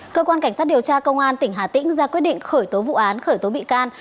cơ quan cảnh sát điều tra công an tỉnh hà tĩnh ra quyết định khởi tố vụ án khởi tố bị can